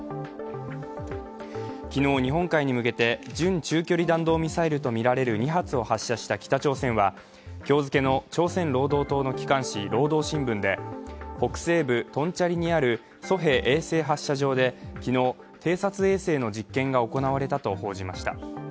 昨日、日本海に向けて準中距離弾道ミサイルとみられる２発を発射した北朝鮮は今日付の朝鮮労働党の機関紙「労働新聞」で、北西部トンチャンリにあるソヘ衛星発射場で昨日、偵察衛星の実験が行われたと報じました。